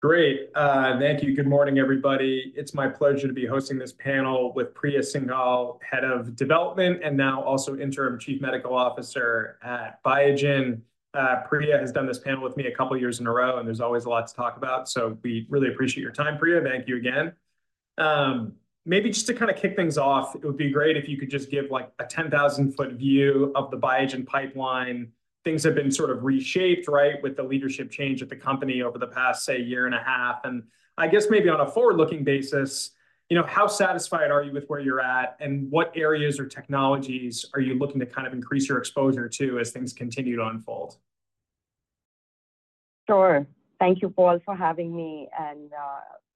Great. Thank you. Good morning, everybody. It's my pleasure to be hosting this panel with Priya Singhal, Head of Development and now also Interim Chief Medical Officer at Biogen. Priya has done this panel with me a couple of years in a row, and there's always a lot to talk about. So we really appreciate your time, Priya. Thank you again. Maybe just to kind of kick things off, it would be great if you could just give, like, a 10,000-foot view of the Biogen pipeline. Things have been sort of reshaped, right, with the leadership change at the company over the past, say, year and a half. I guess maybe on a forward-looking basis, you know, how satisfied are you with where you're at, and what areas or technologies are you looking to kind of increase your exposure to as things continue to unfold? Sure. Thank you all for having me, and,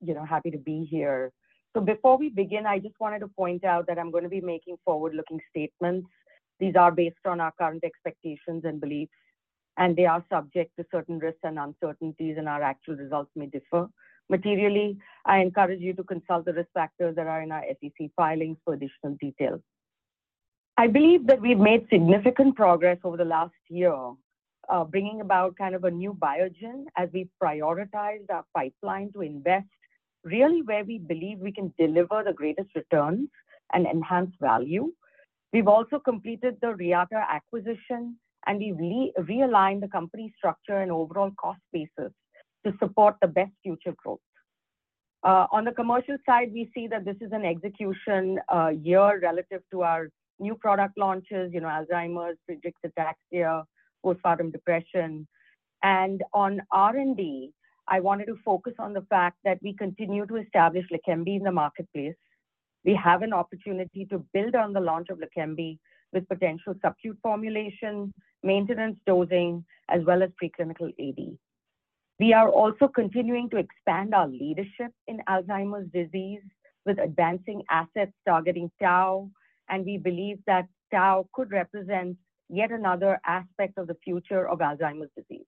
you know, happy to be here. So before we begin, I just wanted to point out that I'm going to be making forward-looking statements. These are based on our current expectations and beliefs. And they are subject to certain risks and uncertainties, and our actual results may differ materially. I encourage you to consult the risk factors that are in our SEC filings for additional detail. I believe that we've made significant progress over the last year, bringing about kind of a new Biogen as we've prioritized our pipeline to invest really where we believe we can deliver the greatest returns and enhance value. We've also completed the Reata acquisition, and we've realigned the company structure and overall cost basis to support the best future growth. On the commercial side, we see that this is an execution year relative to our new product launches, you know, Alzheimer's, Friedreich's ataxia, postpartum depression. On R&D, I wanted to focus on the fact that we continue to establish Leqembi in the marketplace. We have an opportunity to build on the launch of Leqembi with potential subcutaneous formulation, maintenance dosing, as well as preclinical AD. We are also continuing to expand our leadership in Alzheimer's disease with advancing assets targeting tau, and we believe that tau could represent yet another aspect of the future of Alzheimer's disease.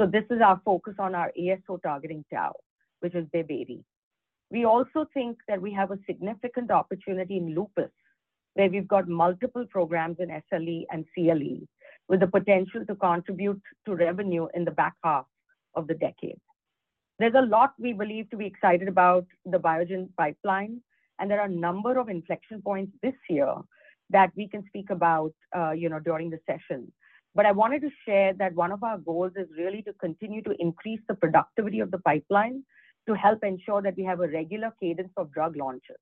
So this is our focus on our ASO targeting tau, which is BIIB080. We also think that we have a significant opportunity in lupus, where we've got multiple programs in SLE and CLE with the potential to contribute to revenue in the back half of the decade. There's a lot we believe to be excited about the Biogen pipeline, and there are a number of inflection points this year that we can speak about, you know, during the session. But I wanted to share that one of our goals is really to continue to increase the productivity of the pipeline to help ensure that we have a regular cadence of drug launches.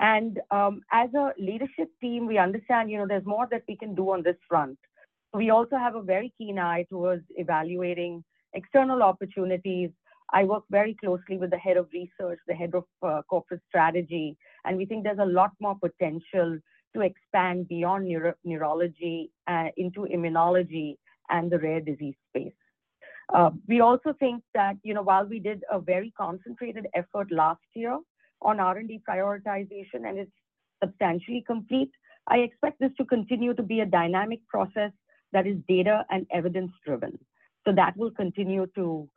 As a leadership team, we understand, you know, there's more that we can do on this front. We also have a very keen eye towards evaluating external opportunities. I work very closely with the head of research, the head of corporate strategy, and we think there's a lot more potential to expand beyond neurology, into immunology and the rare disease space. We also think that, you know, while we did a very concentrated effort last year on R&D prioritization and it's substantially complete, I expect this to continue to be a dynamic process that is data and evidence-driven. So that will continue to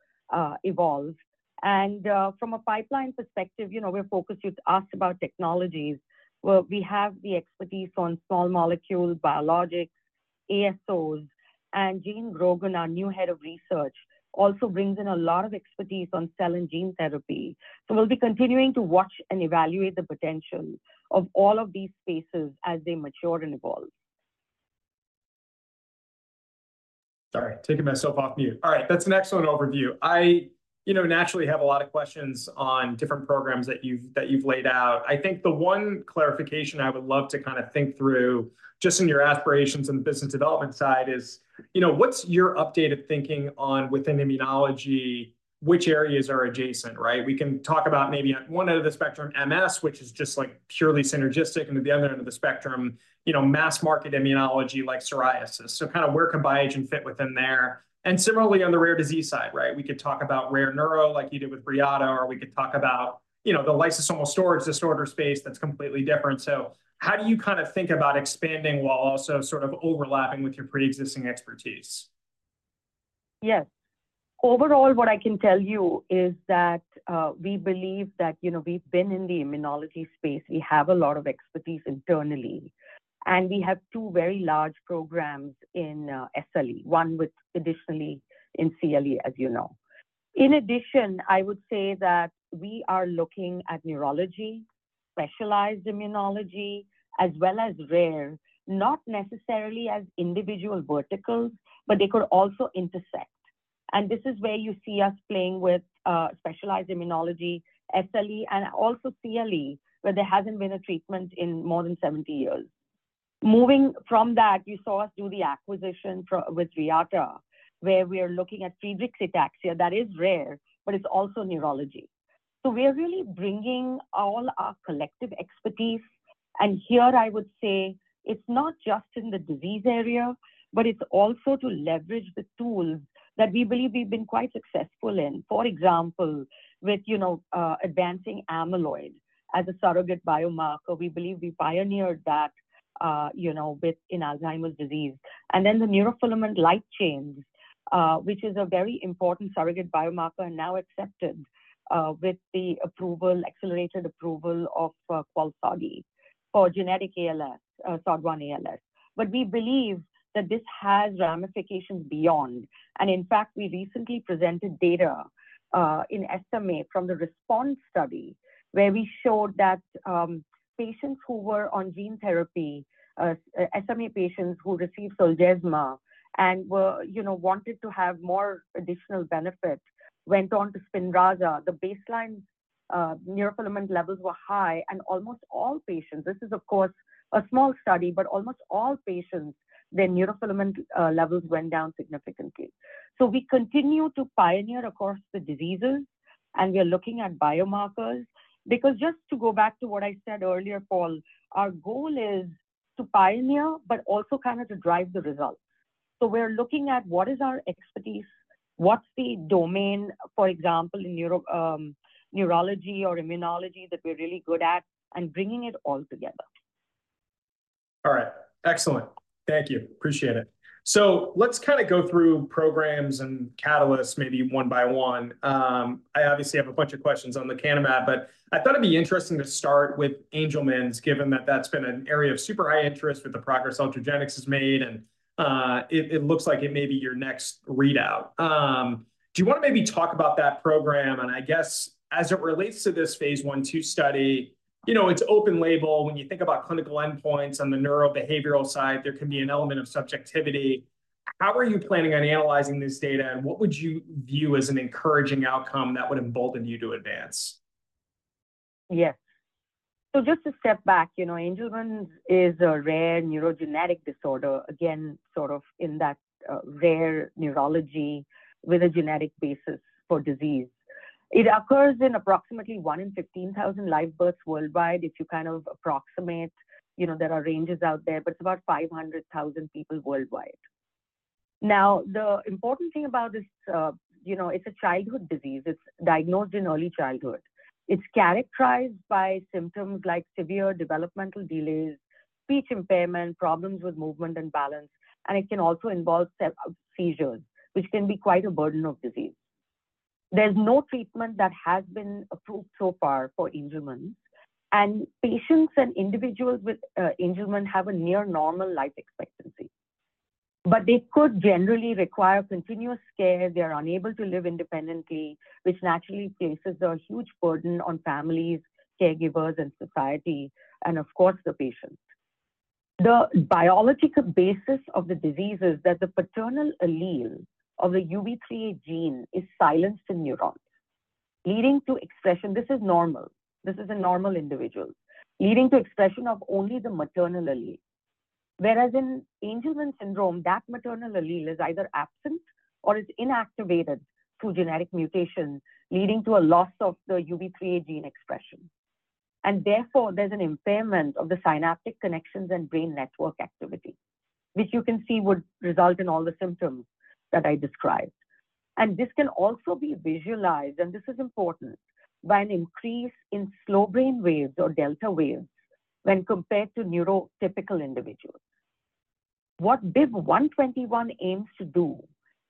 evolve. And from a pipeline perspective, you know, we're focused—you asked about technologies—where we have the expertise on small molecule, biologics, ASOs. And Jane Grogan, our new head of research, also brings in a lot of expertise on cell and gene therapy. So we'll be continuing to watch and evaluate the potential of all of these spaces as they mature and evolve. Sorry, taking myself off mute. All right. That's an excellent overview. I, you know, naturally have a lot of questions on different programs that you've that you've laid out. I think the one clarification I would love to kind of think through just in your aspirations and the business development side is, you know, what's your updated thinking on within immunology, which areas are adjacent, right? We can talk about maybe at one end of the spectrum, MS, which is just, like, purely synergistic, and at the other end of the spectrum, you know, mass market immunology like psoriasis. So kind of where can Biogen fit within there? And similarly, on the rare disease side, right? We could talk about rare neuro like you did with Reata, or we could talk about, you know, the lysosomal storage disorder space that's completely different. How do you kind of think about expanding while also sort of overlapping with your preexisting expertise? Yes. Overall, what I can tell you is that, we believe that, you know, we've been in the immunology space. We have a lot of expertise internally. And we have two very large programs in SLE, one with additionally in CLE, as you know. In addition, I would say that we are looking at neurology, specialized immunology, as well as rare, not necessarily as individual verticals, but they could also intersect. And this is where you see us playing with specialized immunology, SLE, and also CLE, where there hasn't been a treatment in more than 70 years. Moving from that, you saw us do the acquisition for with Reata, where we are looking at Friedreich's ataxia that is rare, but it's also neurology. So we are really bringing all our collective expertise. And here, I would say it's not just in the disease area, but it's also to leverage the tools that we believe we've been quite successful in. For example, with, you know, advancing amyloid as a surrogate biomarker, we believe we pioneered that, you know, within Alzheimer's disease. And then the neurofilament light chains, which is a very important surrogate biomarker and now accepted, with the approval, accelerated approval, of Qalsody for genetic ALS, SOD1 ALS. But we believe that this has ramifications beyond. And in fact, we recently presented data, in SMA from the RESPOND study where we showed that, patients who were on gene therapy, SMA patients who received Zolgensma and were, you know, wanted to have more additional benefit went on to Spinraza. The baseline, neurofilament levels were high, and almost all patients, this is, of course, a small study, but almost all patients, their neurofilament, levels went down significantly. So we continue to pioneer across the diseases, and we are looking at biomarkers. Because just to go back to what I said earlier, Paul, our goal is to pioneer, but also kind of to drive the results. So we're looking at what is our expertise, what's the domain, for example, in neuro, neurology or immunology that we're really good at, and bringing it all together. All right. Excellent. Thank you. Appreciate it. So let's kind of go through programs and catalysts maybe one by one. I obviously have a bunch of questions on lecanemab, but I thought it'd be interesting to start with Angelman, given that that's been an area of super high interest with the progress Ultragenyx has made. And it looks like it may be your next readout. Do you want to maybe talk about that program? And I guess as it relates to this phase 1/2 study, you know, it's open label. When you think about clinical endpoints on the neurobehavioral side, there can be an element of subjectivity. How are you planning on analyzing this data, and what would you view as an encouraging outcome that would embolden you to advance? Yes. So just to step back, you know, Angelman syndrome is a rare neurogenetic disorder, again, sort of in that rare neurology with a genetic basis for disease. It occurs in approximately 1 in 15,000 live births worldwide. If you kind of approximate, you know, there are ranges out there, but it's about 500,000 people worldwide. Now, the important thing about this, you know, it's a childhood disease. It's diagnosed in early childhood. It's characterized by symptoms like severe developmental delays, speech impairment, problems with movement and balance. And it can also involve seizures, which can be quite a burden of disease. There's no treatment that has been approved so far for Angelman syndrome. And patients and individuals with Angelman syndrome have a near-normal life expectancy. But they could generally require continuous care. They are unable to live independently, which naturally places a huge burden on families, caregivers, and society, and of course, the patients. The biological basis of the disease is that the paternal allele of the UBE3A gene is silenced in neurons, leading to expression (this is normal. This is a normal individual) leading to expression of only the maternal allele. Whereas in Angelman syndrome, that maternal allele is either absent or is inactivated through genetic mutation, leading to a loss of the UBE3A gene expression. Therefore, there's an impairment of the synaptic connections and brain network activity, which you can see would result in all the symptoms that I described. This can also be visualized (and this is important) by an increase in slow brain waves or delta waves when compared to neurotypical individuals. What BIIB121 aims to do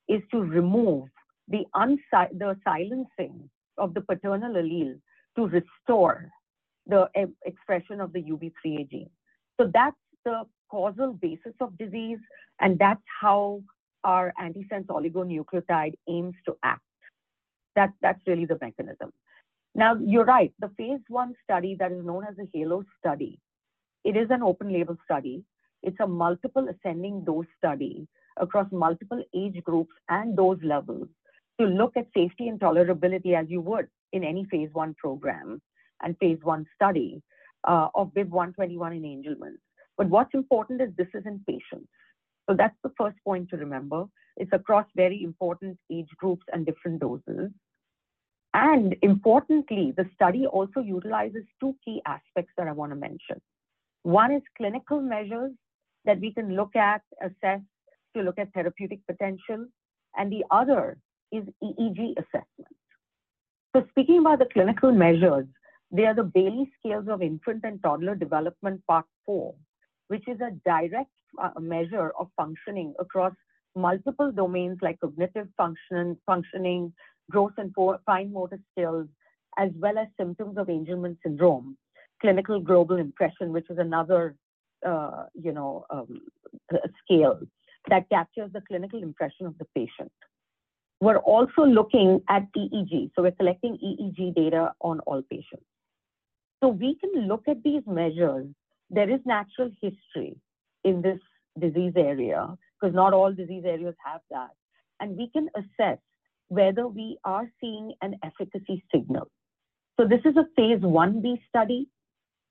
is to remove the unsilencing—the silencing—of the paternal allele to restore the expression of the UBE3A gene. So that's the causal basis of disease, and that's how our antisense oligonucleotide aims to act. That's really the mechanism. Now, you're right. The phase 1 study that is known as the HALO study, it is an open-label study. It's a multiple ascending dose study across multiple age groups and dose levels to look at safety and tolerability, as you would in any phase 1 program and phase 1 study, of BIIB121 in Angelman’s. But what's important is this is in patients. So that's the first point to remember. It's across very important age groups and different doses. And importantly, the study also utilizes two key aspects that I want to mention. One is clinical measures that we can look at, assess, to look at therapeutic potential. The other is EEG assessment. So speaking about the clinical measures, they are the Bayley Scales of Infant and Toddler Development, Part 4, which is a direct measure of functioning across multiple domains like cognitive functioning, functioning, growth, and fine motor skills, as well as symptoms of Angelman syndrome, Clinical Global Impression, which is another, you know, scale that captures the clinical impression of the patient. We're also looking at EEG. So we're collecting EEG data on all patients. So we can look at these measures. There is natural history in this disease area because not all disease areas have that. And we can assess whether we are seeing an efficacy signal. So this is a phase 1b study.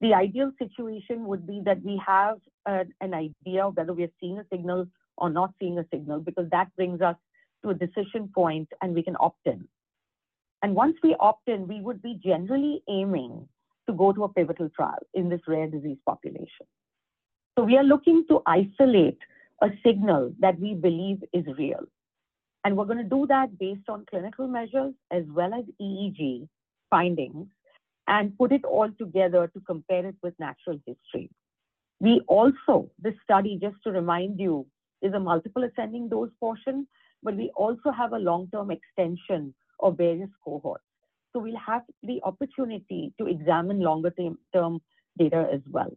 The ideal situation would be that we have an idea of whether we are seeing a signal or not seeing a signal because that brings us to a decision point, and we can opt in. Once we opt in, we would be generally aiming to go to a pivotal trial in this rare disease population. So we are looking to isolate a signal that we believe is real. We're going to do that based on clinical measures as well as EEG findings and put it all together to compare it with natural history. We also, this study, just to remind you, is a multiple ascending dose portion, but we also have a long-term extension of various cohorts. So we'll have the opportunity to examine longer-term data as well.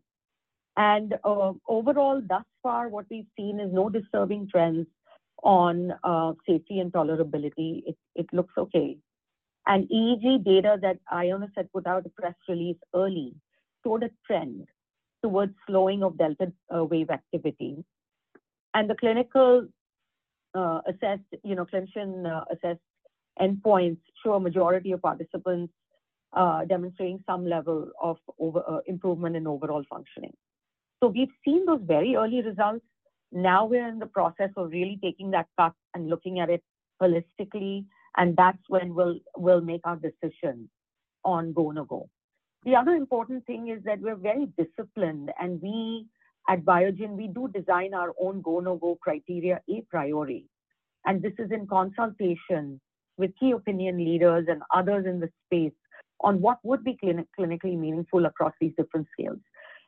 Overall, thus far, what we've seen is no disturbing trends on safety and tolerability. It looks okay. And EEG data that Ionis had put out a press release early showed a trend towards slowing of delta wave activity. And the clinical assessed, you know, clinician-assessed endpoints show a majority of participants demonstrating some level of over improvement in overall functioning. So we've seen those very early results. Now we're in the process of really taking that cut and looking at it holistically. And that's when we'll make our decision on go/no-go. The other important thing is that we're very disciplined. And we at Biogen, we do design our own go/no-go criteria, a priori. And this is in consultation with key opinion leaders and others in the space on what would be clinically meaningful across these different scales.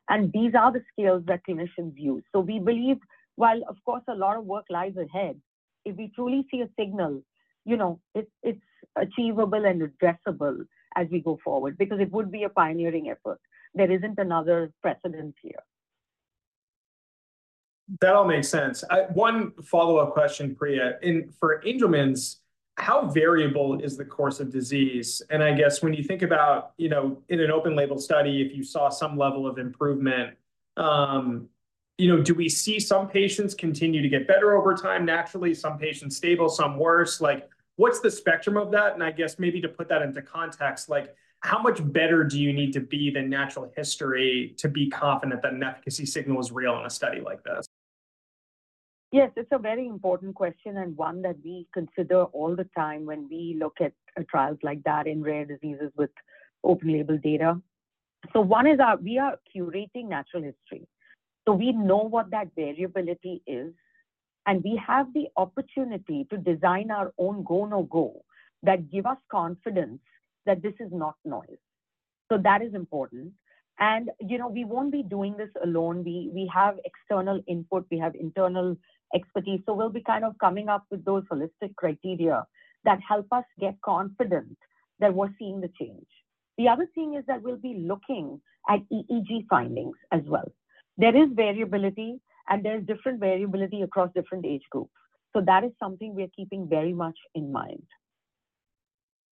And these are the scales that clinicians use. We believe, while of course a lot of work lies ahead, if we truly see a signal, you know, it's achievable and addressable as we go forward because it would be a pioneering effort. There isn't another precedent here. That all makes sense. I—one follow-up question, Priya. In Angelman, how variable is the course of disease? And I guess when you think about, you know, in an open label study, if you saw some level of improvement, you know, do we see some patients continue to get better over time naturally, some patients stable, some worse? Like, what's the spectrum of that? And I guess maybe to put that into context, like, how much better do you need to be than natural history to be confident that an efficacy signal is real in a study like this? Yes. It's a very important question and one that we consider all the time when we look at trials like that in rare diseases with open label data. So one is—we are curating natural history. So we know what that variability is. And we have the opportunity to design our own go/no-go that gives us confidence that this is not noise. So that is important. And, you know, we won't be doing this alone. We have external input. We have internal expertise. So we'll be kind of coming up with those holistic criteria that help us get confident that we're seeing the change. The other thing is that we'll be looking at EEG findings as well. There is variability, and there's different variability across different age groups. So that is something we are keeping very much in mind.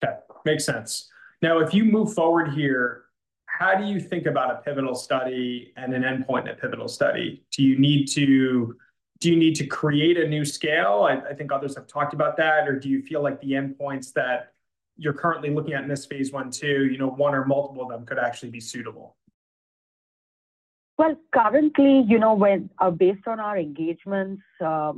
Okay. Makes sense. Now, if you move forward here, how do you think about a pivotal study and an endpoint in a pivotal study? Do you need to create a new scale? I think others have talked about that. Or do you feel like the endpoints that you're currently looking at in this phase 1/2, you know, one or multiple of them could actually be suitable? Well, currently, you know, when based on our engagements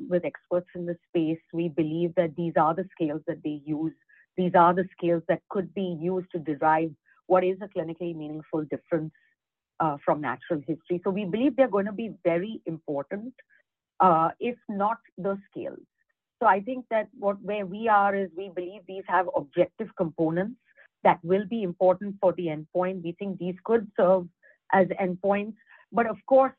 with experts in the space, we believe that these are the scales that they use. These are the scales that could be used to derive what is a clinically meaningful difference from natural history. So we believe they're going to be very important, if not the scales. So I think that where we are is we believe these have objective components that will be important for the endpoint. We think these could serve as endpoints. But of course,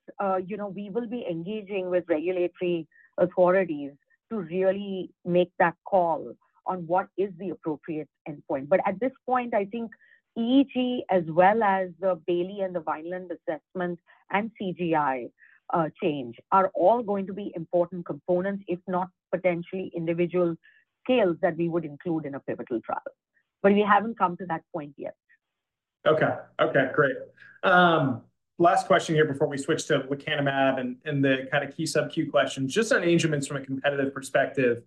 you know, we will be engaging with regulatory authorities to really make that call on what is the appropriate endpoint. But at this point, I think EEG, as well as the Bayley and the Vineland assessment and CGI change are all going to be important components, if not potentially individual scales that we would include in a pivotal trial. But we haven't come to that point yet. Okay. Okay. Great. Last question here before we switch to the Q&A and the kind of key sub-Q questions. Just on Angelman’s from a competitive perspective,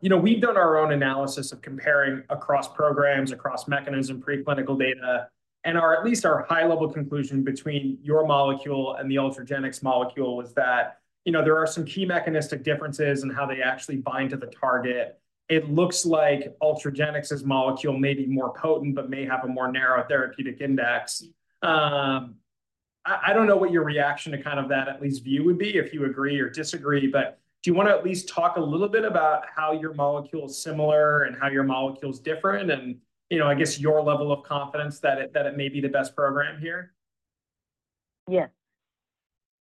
you know, we've done our own analysis of comparing across programs, across mechanism, preclinical data. And at least our high-level conclusion between your molecule and the Ultragenyx molecule was that, you know, there are some key mechanistic differences in how they actually bind to the target. It looks like Ultragenyx's molecule may be more potent but may have a more narrow therapeutic index. I don't know what your reaction to kind of that at least view would be, if you agree or disagree. But do you want to at least talk a little bit about how your molecule is similar and how your molecule is different and, you know, I guess your level of confidence that it may be the best program here? Yes.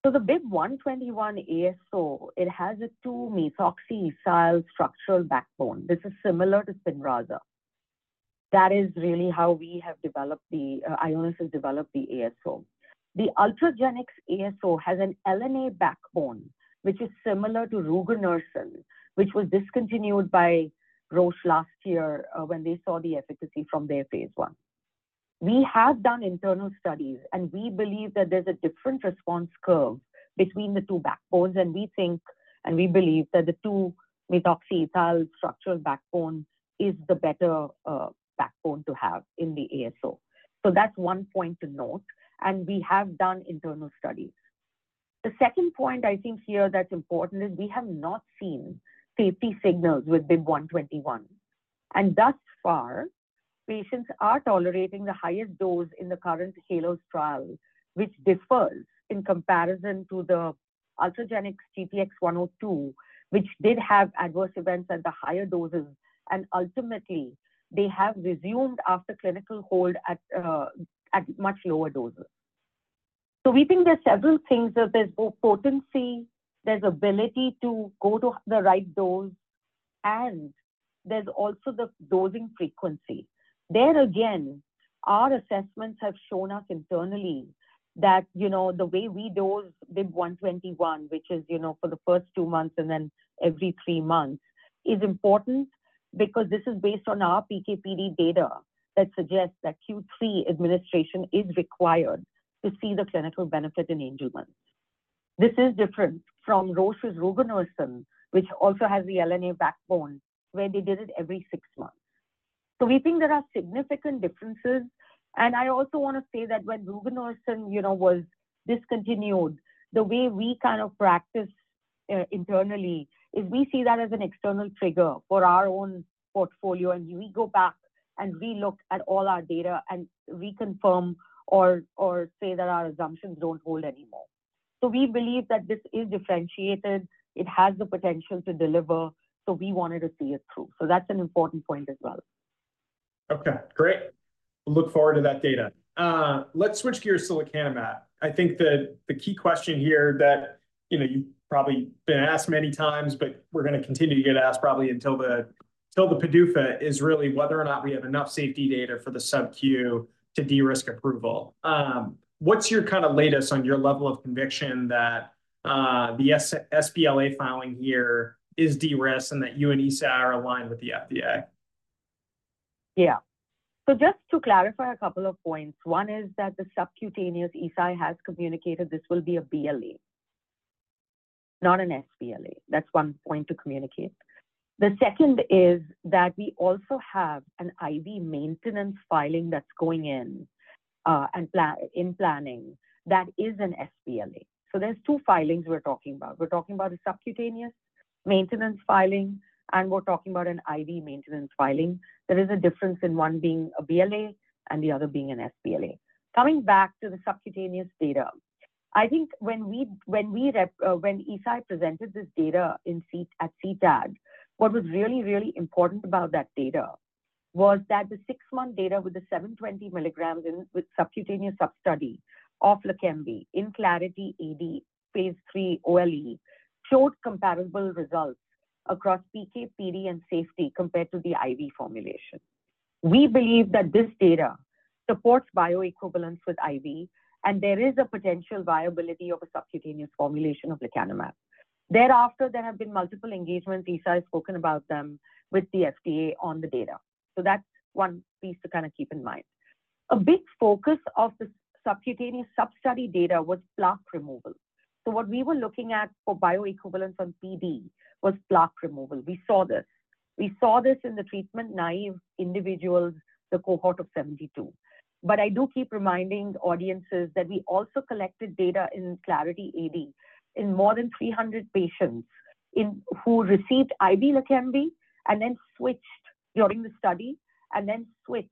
So the BIIB121 ASO, it has a 2'-methoxyethyl structural backbone. This is similar to Spinraza. That is really how we have developed the—Ionis has developed the ASO. The Ultragenyx ASO has an LNA backbone, which is similar to rugonersen, which was discontinued by Roche last year, when they saw the efficacy from their phase 1. We have done internal studies, and we believe that there's a different response curve between the two backbones. And we think—and we believe—that the 2'-methoxyethyl structural backbone is the better, backbone to have in the ASO. So that's one point to note. And we have done internal studies. The second point I think here that's important is we have not seen safety signals with BIIB121. Thus far, patients are tolerating the highest dose in the current HALO trial, which differs in comparison to the Ultragenyx GTX-102, which did have adverse events at the higher doses. Ultimately, they have resumed after clinical hold at much lower doses. So we think there's several things. There's both potency. There's ability to go to the right dose. And there's also the dosing frequency. There again, our assessments have shown us internally that, you know, the way we dose BIIB121, which is, you know, for the first two months and then every three months, is important because this is based on our PKPD data that suggests that Q3 administration is required to see the clinical benefit in Angelman's. This is different from Roche's rugonersen, which also has the LNA backbone, where they did it every six months. So we think there are significant differences. I also want to say that when rugonersen, you know, was discontinued, the way we kind of practice internally is we see that as an external trigger for our own portfolio. We go back and we look at all our data and reconfirm or—or say that our assumptions don't hold anymore. So we believe that this is differentiated. It has the potential to deliver. So we wanted to see it through. So that's an important point as well. Okay. Great. We'll look forward to that data. Let's switch gears to the lecanemab. I think the key question here that, you know, you've probably been asked many times, but we're going to continue to get asked probably until the PDUFA is really whether or not we have enough safety data for the sub-Q to de-risk approval. What's your kind of latest on your level of conviction that, the sBLA filing here is de-risked and that you and Eisai are aligned with the FDA? Yeah. So just to clarify a couple of points. One is that the subcutaneous Eisai has communicated this will be a BLA, not an sBLA. That's one point to communicate. The second is that we also have an IV maintenance filing that's going in, and planning that is an sBLA. So there's two filings we're talking about. We're talking about a subcutaneous maintenance filing, and we're talking about an IV maintenance filing. There is a difference in one being a BLA and the other being an sBLA. Coming back to the subcutaneous data, I think when Eisai presented this data in C at CTAD, what was really, really important about that data was that the six-month data with the 720 milligrams in with subcutaneous substudy of Leqembi in Clarity AD phase 3 OLE showed comparable results across PKPD and safety compared to the IV formulation. We believe that this data supports bioequivalence with IV, and there is a potential viability of a subcutaneous formulation of Leqembi. Thereafter, there have been multiple engagements. Eisai has spoken about them with the FDA on the data. So that's one piece to kind of keep in mind. A big focus of the subcutaneous substudy data was plaque removal. So what we were looking at for bioequivalence on PD was plaque removal. We saw this. We saw this in the treatment naive individuals, the cohort of 72. But I do keep reminding audiences that we also collected data in Clarity AD in more than 300 patients in who received IV Leqembi and then switched during the study and then switched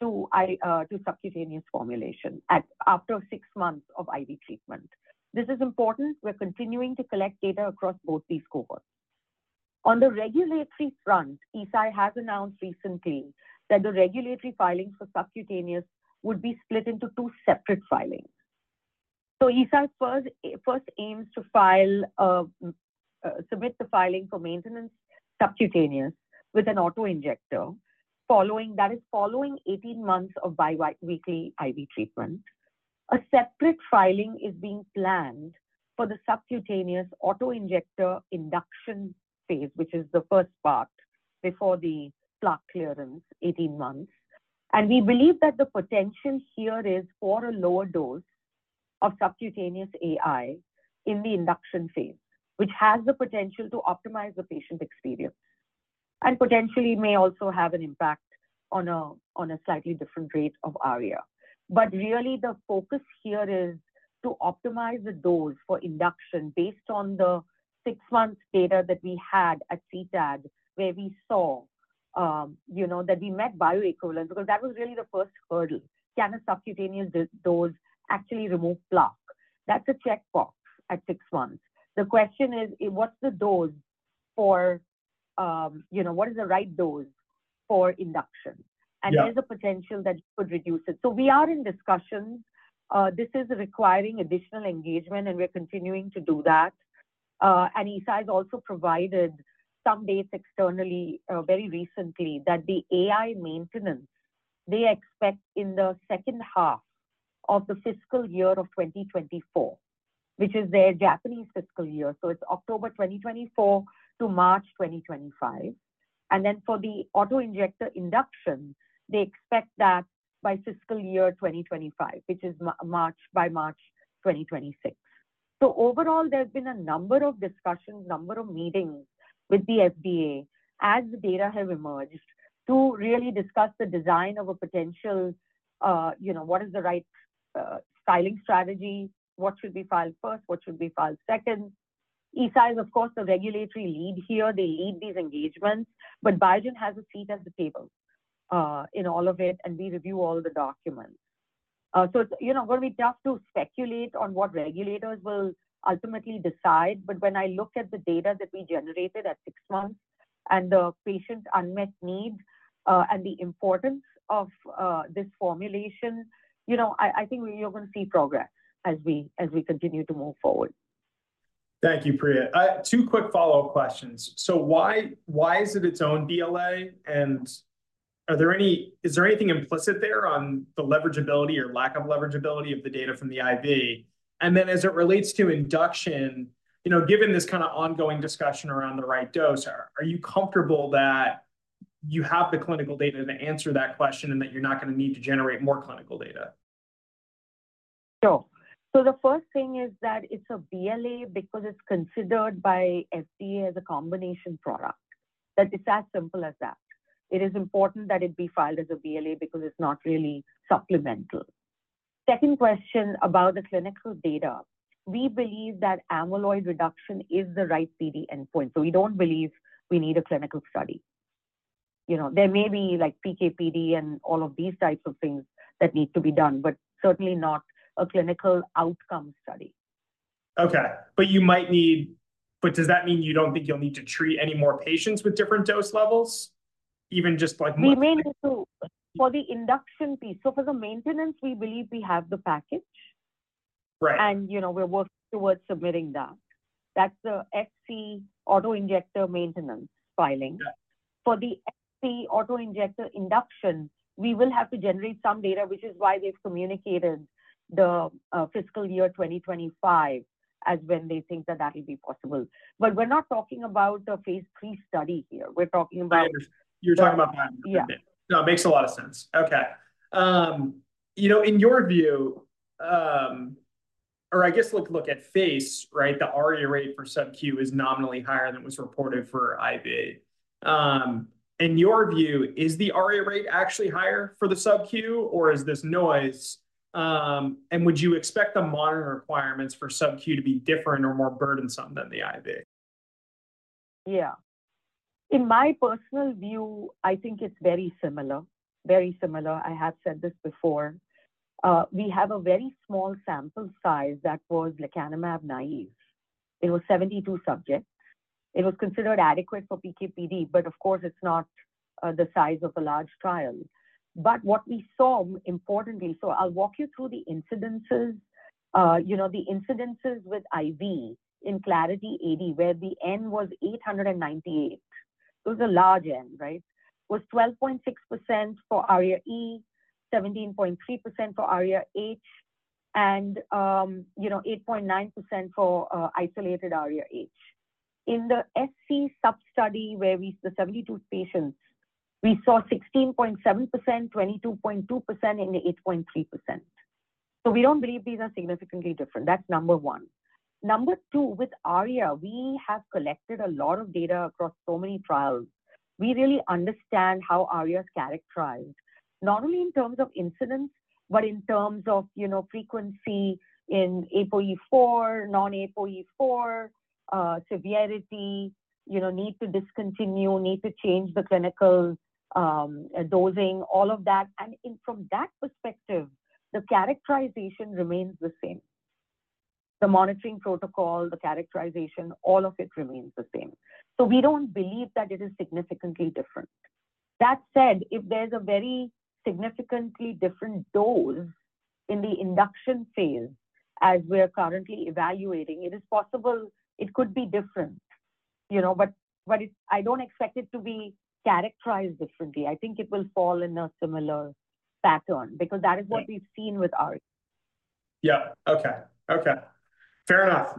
to subcutaneous formulation after six months of IV treatment. This is important. We're continuing to collect data across both these cohorts. On the regulatory front, Eisai has announced recently that the regulatory filings for subcutaneous would be split into two separate filings. So Eisai first aims to submit the filing for maintenance subcutaneous with an autoinjector following—that is, following 18 months of bi-weekly IV treatment. A separate filing is being planned for the subcutaneous autoinjector induction phase, which is the first part before the plaque clearance, 18 months. We believe that the potential here is for a lower dose of subcutaneous AI in the induction phase, which has the potential to optimize the patient experience and potentially may also have an impact on a—on a slightly different rate of ARIA. But really, the focus here is to optimize the dose for induction based on the 6-month data that we had at CTAD, where we saw, you know, that we met bioequivalence because that was really the first hurdle. Can a subcutaneous dose actually remove plaque? That's a checkbox at six months. The question is, what's the dose for, you know, what is the right dose for induction? And there's a potential that could reduce it. So we are in discussions. This is requiring additional engagement, and we're continuing to do that. And Eisai has also provided some dates externally, very recently that the IV maintenance they expect in the second half of the fiscal year of 2024, which is their Japanese fiscal year. So it's October 2024 to March 2025. And then for the autoinjector induction, they expect that by fiscal year 2025, which is March by March 2026. So overall, there's been a number of discussions, a number of meetings with the FDA as the data have emerged to really discuss the design of a potential, you know, what is the right dosing strategy? What should be filed first? What should be filed second? Eisai is, of course, the regulatory lead here. They lead these engagements. But Biogen has a seat at the table, in all of it, and we review all the documents. So it's, you know, going to be tough to speculate on what regulators will ultimately decide. But when I look at the data that we generated at six months and the patient's unmet need, and the importance of, this formulation, you know, I—I think we are going to see progress as we—as we continue to move forward. Thank you, Priya. Two quick follow-up questions. So why why is it its own BLA? And are there any is there anything implicit there on the leverageability or lack of leverageability of the data from the IV? And then as it relates to induction, you know, given this kind of ongoing discussion around the right dose, are you comfortable that you have the clinical data to answer that question and that you're not going to need to generate more clinical data? Sure. So the first thing is that it's a BLA because it's considered by FDA as a combination product. That it's as simple as that. It is important that it be filed as a BLA because it's not really supplemental. Second question about the clinical data, we believe that amyloid reduction is the right PD endpoint. So we don't believe we need a clinical study. You know, there may be, like, PKPD and all of these types of things that need to be done, but certainly not a clinical outcome study. Okay. But does that mean you don't think you'll need to treat any more patients with different dose levels, even just, like, monthly? We may need to for the induction piece. For the maintenance, we believe we have the package. Right. You know, we're working towards submitting that. That's the SC autoinjector maintenance filing. For the SC autoinjector induction, we will have to generate some data, which is why they've communicated the fiscal year 2025 as when they think that that'll be possible. But we're not talking about a phase III study here. We're talking about. Biogen. You're talking about Biogen. Yeah. Okay. No, it makes a lot of sense. Okay. You know, in your view, or I guess look, look at Phase, right? The ARIA rate for sub-Q is nominally higher than it was reported for IV. In your view, is the ARIA rate actually higher for the sub-Q, or is this noise? And would you expect the monitoring requirements for sub-Q to be different or more burdensome than the IV? Yeah. In my personal view, I think it's very similar, very similar. I have said this before. We have a very small sample size that was Leqembi-naïve. It was 72 subjects. It was considered adequate for PKPD, but of course, it's not the size of a large trial. But what we saw, importantly—so I'll walk you through the incidences, you know, the incidences with IV in Clarity AD, where the N was 898. It was a large N, right? Was 12.6% for ARIA-E, 17.3% for ARIA-H, and, you know, 8.9% for isolated ARIA-H. In the SC substudy, where we—the 72 patients—we saw 16.7%, 22.2%, and 8.3%. So we don't believe these are significantly different. That's number one. Number two, with ARIA, we have collected a lot of data across so many trials. We really understand how ARIA is characterized, not only in terms of incidence but in terms of, you know, frequency in ApoE4, non-ApoE4, severity, you know, need to discontinue, need to change the clinical dosing, all of that. And from that perspective, the characterization remains the same. The monitoring protocol, the characterization, all of it remains the same. So we don't believe that it is significantly different. That said, if there's a very significantly different dose in the induction phase as we're currently evaluating, it is possible it could be different, you know, but it—I don't expect it to be characterized differently. I think it will fall in a similar pattern because that is what we've seen with ARIA. Yeah. Okay. Okay. Fair enough.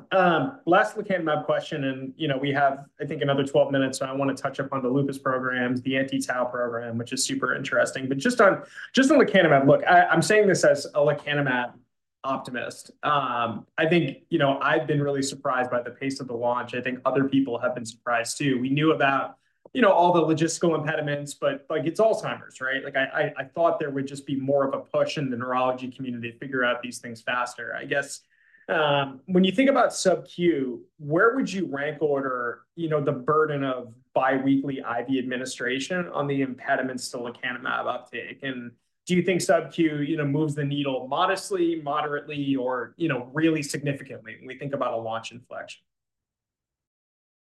Last Leqembi question. And, you know, we have, I think, another 12 minutes. So I want to touch upon the lupus programs, the anti-tau program, which is super interesting. But just on—just on Leqembi, look, I—I'm saying this as a Leqembi optimist. I think, you know, I've been really surprised by the pace of the launch. I think other people have been surprised too. We knew about, you know, all the logistical impediments, but, like, it's Alzheimer's, right? Like, I—I—I thought there would just be more of a push in the neurology community to figure out these things faster. I guess, when you think about sub-Q, where would you rank order, you know, the burden of biweekly IV administration on the impediments to Leqembi uptake? Do you think sub-Q, you know, moves the needle modestly, moderately, or, you know, really significantly when we think about a launch inflection?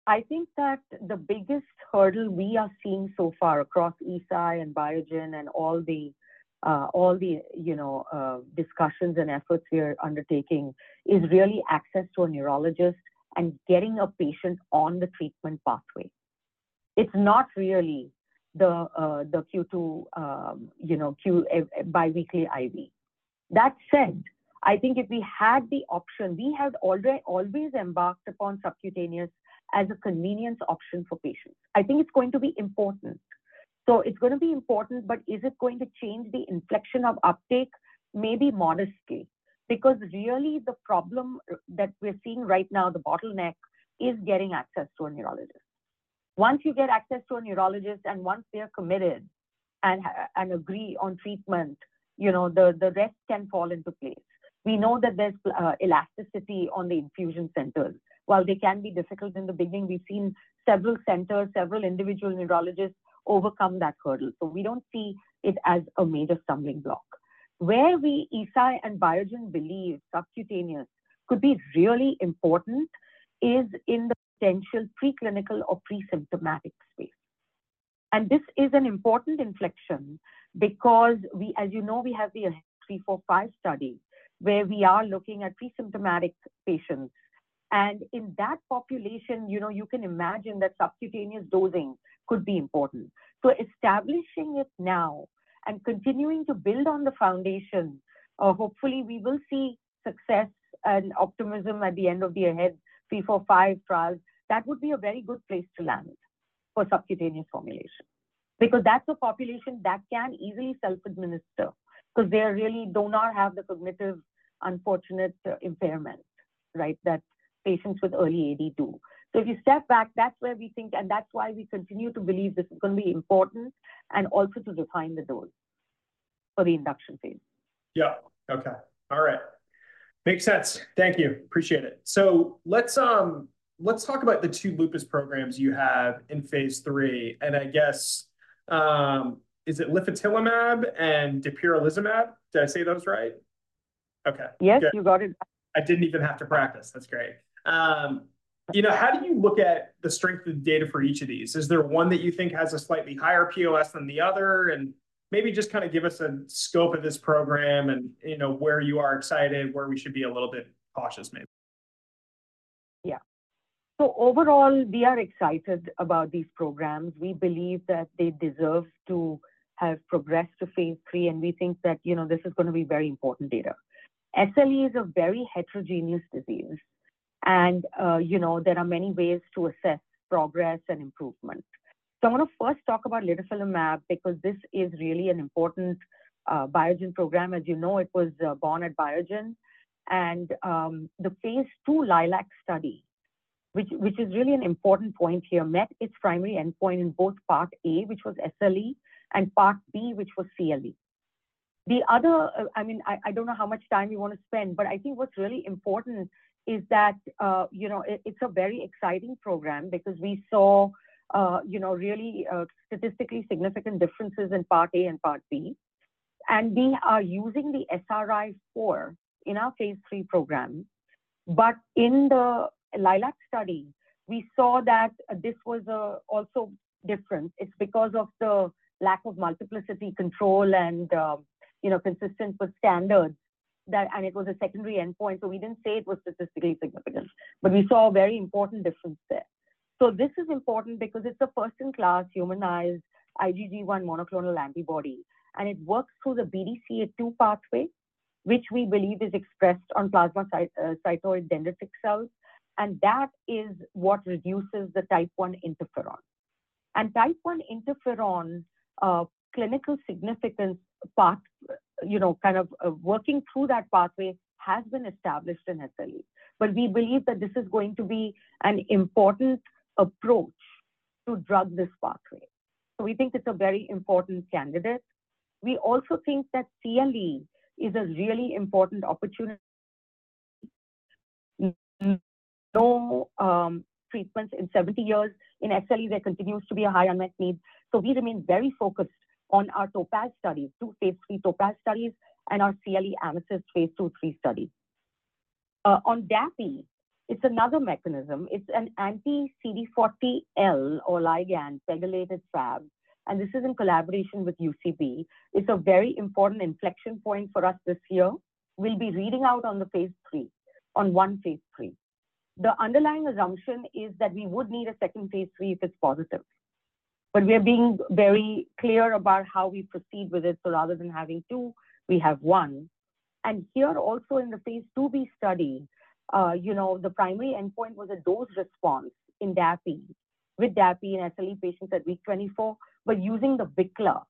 I think that the biggest hurdle we are seeing so far across Eisai and Biogen and all the, all the, you know, discussions and efforts we are undertaking is really access to a neurologist and getting a patient on the treatment pathway. It's not really the, the Q2, you know, Q biweekly IV. That said, I think if we had the option—we have already always embarked upon subcutaneous as a convenience option for patients. I think it's going to be important. So it's going to be important, but is it going to change the inflection of uptake? Maybe modestly because really, the problem that we're seeing right now, the bottleneck, is getting access to a neurologist. Once you get access to a neurologist and once they're committed and—and agree on treatment, you know, the—the rest can fall into place. We know that there's, elasticity on the infusion centers. While they can be difficult in the beginning, we've seen several centers, several individual neurologists overcome that hurdle. So we don't see it as a major stumbling block. Where we, Eisai and Biogen believe subcutaneous could be really important is in the potential preclinical or presymptomatic space. And this is an important inflection because we, as you know, we have the AHEAD 3-45 study where we are looking at presymptomatic patients. And in that population, you know, you can imagine that subcutaneous dosing could be important. So establishing it now and continuing to build on the foundation, hopefully, we will see success and optimism at the end of the AHEAD 3-45 trials. That would be a very good place to land for subcutaneous formulation because that's a population that can easily self-administer because they really do not have the cognitive, unfortunate, impairment, right, that patients with early AD do. If you step back, that's where we think, and that's why we continue to believe this is going to be important, and also to define the dose for the induction phase. Yeah. Okay. All right. Makes sense. Thank you. Appreciate it. So let's, let's talk about the two lupus programs you have in phase III. And I guess, is it litifilimab and dapirolizumab? Did I say those right? Okay. Yes. You got it. I didn't even have to practice. That's great. You know, how do you look at the strength of the data for each of these? Is there one that you think has a slightly higher POS than the other? And maybe just kind of give us a scope of this program and, you know, where you are excited, where we should be a little bit cautious, maybe. Yeah. So overall, we are excited about these programs. We believe that they deserve to have progressed to phase III, and we think that, you know, this is going to be very important data. SLE is a very heterogeneous disease. And, you know, there are many ways to assess progress and improvement. So I want to first talk about litifilimab because this is really an important Biogen program. As you know, it was born at Biogen. And the phase II LILAC study, which is really an important point here, met its primary endpoint in both Part A, which was SLE, and Part B, which was CLE. The other—I mean, I don't know how much time you want to spend, but I think what's really important is that, you know, it's a very exciting program because we saw, you know, really statistically significant differences in Part A and Part B. And we are using the SRI-4 in our phase III program. But in the LILAC study, we saw that this was also different. It's because of the lack of multiplicity control and, you know, consistent with standards that—and it was a secondary endpoint. So we didn't say it was statistically significant, but we saw a very important difference there. So this is important because it's a first-in-class humanized IgG1 monoclonal antibody. And it works through the BDCA2 pathway, which we believe is expressed on plasmacytoid dendritic cells. And that is what reduces the type I interferon. And type I interferon, clinical significance path—you know, kind of working through that pathway has been established in SLE. But we believe that this is going to be an important approach to drug this pathway. So we think it's a very important candidate. We also think that CLE is a really important opportunity. No, treatments in 70 years. In SLE, there continues to be a high unmet need. So we remain very focused on our TOPAZ studies, two phase III TOPAZ studies, and our CLE AMETHYST phase II/III study. On Dapi, it's another mechanism. It's an anti-CD40L or ligand pegylated Fab. And this is in collaboration with UCB. It's a very important inflection point for us this year. We'll be reading out on the phase III, on one phase III. The underlying assumption is that we would need a second phase III if it's positive. But we are being very clear about how we proceed with it. So rather than having two, we have one. And here also in the phase IIb study, you know, the primary endpoint was a dose response in Dapi with Dapi in SLE patients at week 24 but using the BICLA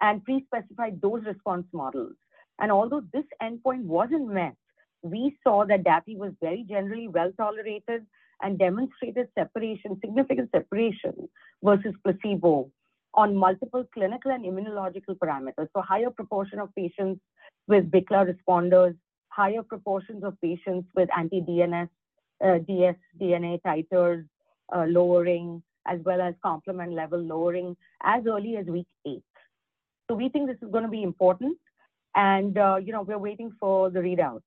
and prespecified dose response models. Although this endpoint wasn't met, we saw that Dapi was very generally well-tolerated and demonstrated significant separation versus placebo on multiple clinical and immunological parameters. So higher proportion of patients with BICLA responders, higher proportions of patients with anti-dsDNA titers lowering, as well as complement level lowering as early as week 8. So we think this is going to be important. And, you know, we're waiting for the readout.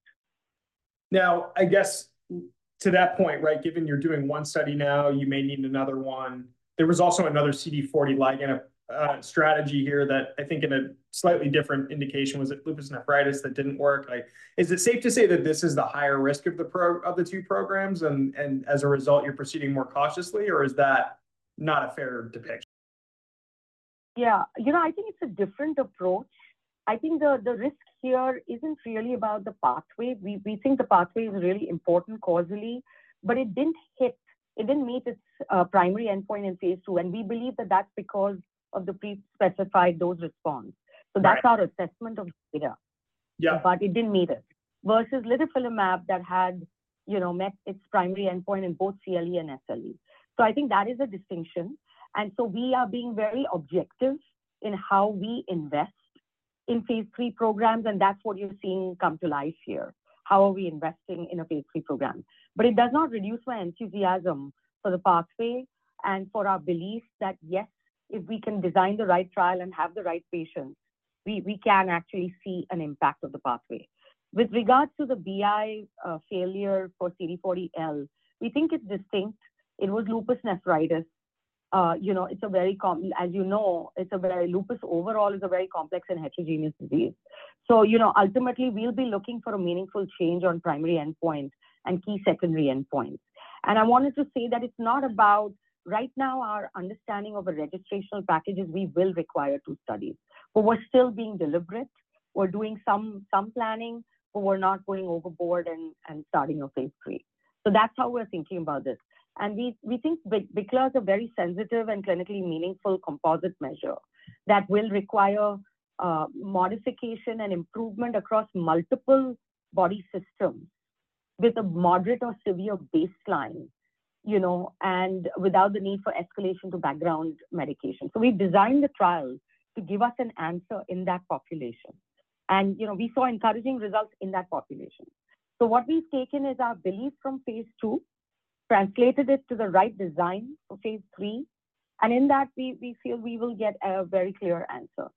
Now, I guess to that point, right, given you're doing one study now, you may need another one. There was also another CD40 ligand strategy here that I think in a slightly different indication was it lupus nephritis that didn't work. Like, is it safe to say that this is the higher risk of the pro of the two programs and, and as a result, you're proceeding more cautiously, or is that not a fair depiction? Yeah. You know, I think it's a different approach. I think the risk here isn't really about the pathway. We think the pathway is really important causally, but it didn't meet its primary endpoint in phase II. And we believe that that's because of the prespecified dose response. So that's our assessment of the data. Yeah. But it didn't meet it versus litifilimab that had, you know, met its primary endpoint in both CLE and SLE. So I think that is a distinction. And so we are being very objective in how we invest in Phase III programs. And that's what you're seeing come to life here, how are we investing in a Phase III program. But it does not reduce my enthusiasm for the pathway and for our belief that, yes, if we can design the right trial and have the right patients, we—we can actually see an impact of the pathway. With regards to the BI failure for CD40L, we think it's distinct. It was lupus nephritis. You know, it's a very common, as you know, it's a very, lupus overall is a very complex and heterogeneous disease. So, you know, ultimately, we'll be looking for a meaningful change on primary endpoint and key secondary endpoints. I wanted to say that it's not about right now, our understanding of a registration of packages we will require two studies. But we're still being deliberate. We're doing some planning, but we're not going overboard and starting a phase III. So that's how we're thinking about this. And we think BICLA is a very sensitive and clinically meaningful composite measure that will require modification and improvement across multiple body systems with a moderate or severe baseline, you know, and without the need for escalation to background medication. So we've designed the trial to give us an answer in that population. And, you know, we saw encouraging results in that population. So what we've taken is our belief from phase II, translated it to the right design for phase III. And in that, we feel we will get a very clear answer.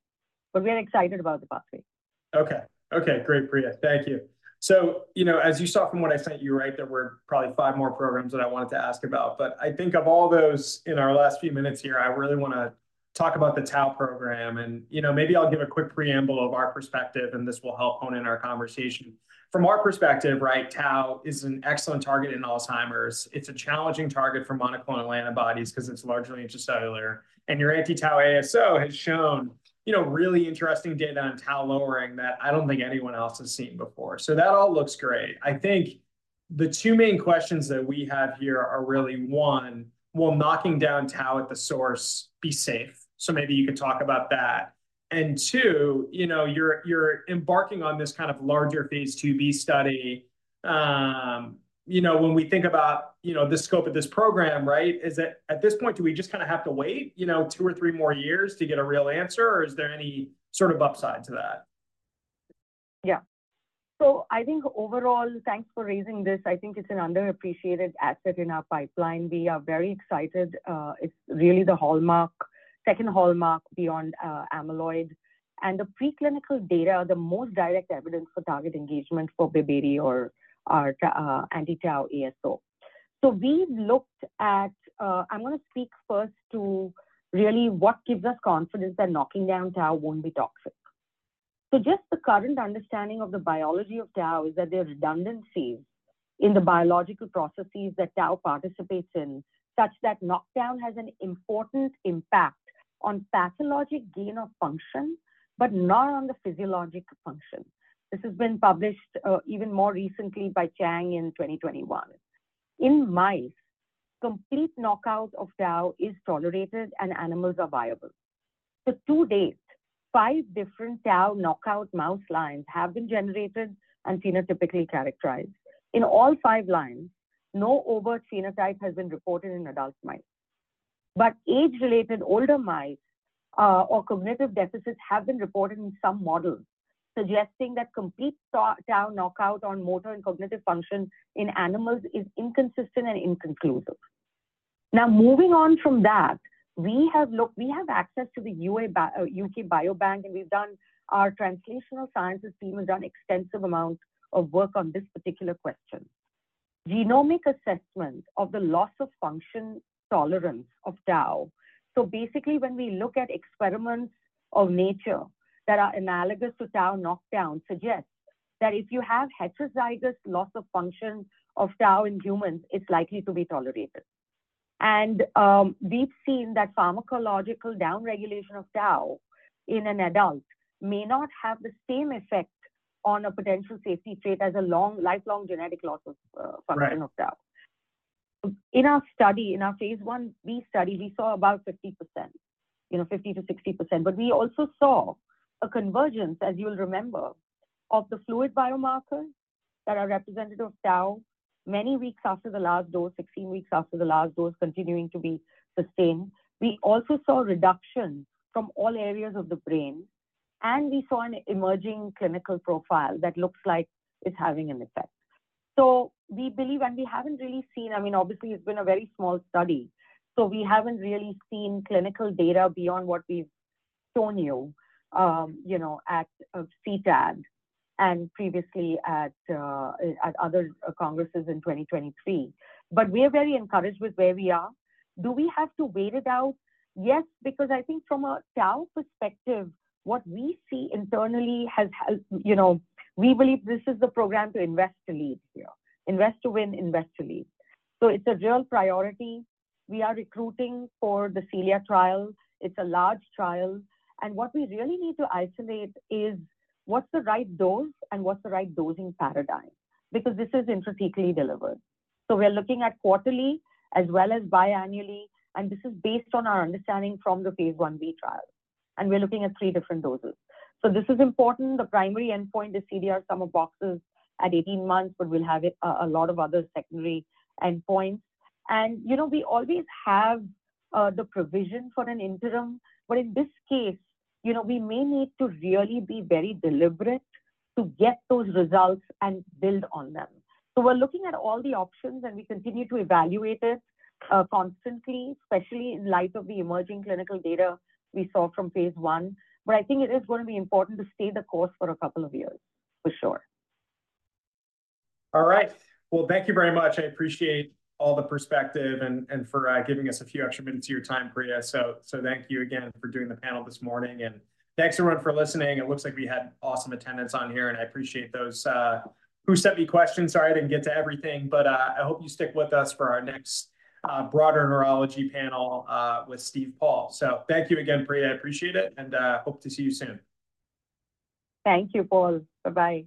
But we are excited about the pathway. Okay. Okay. Great, Priya. Thank you. So, you know, as you saw from what I sent you, right, there were probably five more programs that I wanted to ask about. But I think of all those in our last few minutes here, I really want to talk about the tau program. And, you know, maybe I'll give a quick preamble of our perspective, and this will help hone in our conversation. From our perspective, right, tau is an excellent target in Alzheimer's. It's a challenging target for monoclonal antibodies because it's largely intracellular. And your anti-tau ASO has shown, you know, really interesting data on tau lowering that I don't think anyone else has seen before. So that all looks great. I think the two main questions that we have here are really, one, will knocking down tau at the source be safe? So maybe you could talk about that. And two, you know, you're embarking on this kind of larger phase IIB study. You know, when we think about, you know, the scope of this program, right, is that at this point, do we just kind of have to wait, you know, two or three more years to get a real answer, or is there any sort of upside to that? Yeah. So I think overall, thanks for raising this. I think it's an underappreciated asset in our pipeline. We are very excited. It's really the hallmark, second hallmark beyond amyloid. And the preclinical data are the most direct evidence for target engagement for BIIB080, our anti-tau ASO. So we've looked at, I'm going to speak first to really what gives us confidence that knocking down tau won't be toxic. So just the current understanding of the biology of tau is that there are redundancies in the biological processes that tau participates in such that knockdown has an important impact on pathologic gain of function but not on the physiologic function. This has been published, even more recently by Chang in 2021. In mice, complete knockout of tau is tolerated, and animals are viable. To date, five different tau knockout mouse lines have been generated and phenotypically characterized. In all five lines, no overt phenotype has been reported in adult mice. But age-related older mice, or cognitive deficits have been reported in some models, suggesting that complete tau knockout on motor and cognitive function in animals is inconsistent and inconclusive. Now, moving on from that, we have access to the UK Biobank, and our translational sciences team has done extensive amounts of work on this particular question: genomic assessment of the loss of function tolerance of tau. So basically, when we look at experiments of nature that are analogous to tau knockdown, it suggests that if you have heterozygous loss of function of tau in humans, it's likely to be tolerated. And, we've seen that pharmacological downregulation of tau in an adult may not have the same effect on a potential safety trait as a long, lifelong genetic loss of function of tau. Right. In our study, in our phase 1B study, we saw about 50%, you know, 50%-60%. But we also saw a convergence, as you'll remember, of the fluid biomarkers that are representative of tau many weeks after the last dose, 16 weeks after the last dose, continuing to be sustained. We also saw reductions from all areas of the brain. And we saw an emerging clinical profile that looks like it's having an effect. So we believe, and we haven't really seen, I mean, obviously, it's been a very small study. So we haven't really seen clinical data beyond what we've shown you, you know, at CTAD and previously at, at other congresses in 2023. But we are very encouraged with where we are. Do we have to wait it out? Yes, because I think from a tau perspective, what we see internally has helped, you know, we believe this is the program to invest to lead here, invest to win, invest to lead. So it's a real priority. We are recruiting for the CELIA trial. It's a large trial. And what we really need to isolate is what's the right dose and what's the right dosing paradigm because this is intrathecally delivered. So we're looking at quarterly as well as biannually. And this is based on our understanding from the phase 1b trial. And we're looking at 3 different doses. So this is important. The primary endpoint is CDR sum of boxes at 18 months, but we'll have a lot of other secondary endpoints. And, you know, we always have, the provision for an interim. But in this case, you know, we may need to really be very deliberate to get those results and build on them. So we're looking at all the options, and we continue to evaluate it, constantly, especially in light of the emerging clinical data we saw from phase I. But I think it is going to be important to stay the course for a couple of years for sure. All right. Well, thank you very much. I appreciate all the perspective and for giving us a few extra minutes of your time, Priya. So thank you again for doing the panel this morning. And thanks, everyone, for listening. It looks like we had awesome attendance on here. And I appreciate those who sent me questions. Sorry, I didn't get to everything. But I hope you stick with us for our next broader neurology panel with Steve Paul. So thank you again, Priya. I appreciate it. And hope to see you soon. Thank you, Paul. Bye-bye.